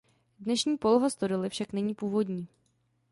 Dnešní poloha stodoly však není původní.